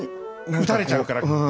打たれちゃうから。